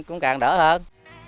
cũng càng đỡ hơn